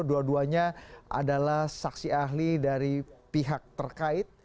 dua duanya adalah saksi ahli dari pihak terkait